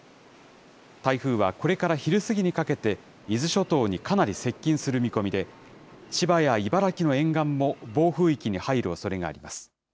台風はこれから昼過ぎにかけて、伊豆諸島にかなり接近する見込みで、千葉や茨城の沿岸も暴風域に入るおそれがあります。